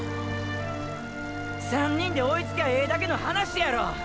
３人で追いつきゃええだけの話やろ。